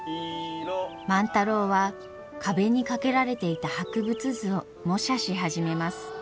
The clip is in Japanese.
万太郎は壁に掛けられていた博物図を模写し始めます。